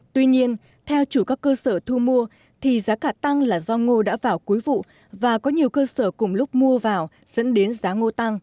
tuy nhiên theo chủ các cơ sở thu mua thì giá cả tăng là do ngô đã vào cuối vụ và có nhiều cơ sở cùng lúc mua vào dẫn đến giá ngô tăng